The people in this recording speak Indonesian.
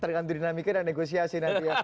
tergantung dinamika dan negosiasi nanti ya